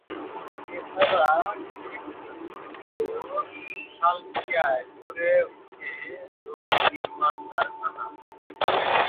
এছাড়া শিবপুর ও সালকিয়ায় গড়ে ওঠে দড়ি নির্মাণ কারখানা।